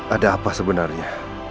ada apa sebenarnya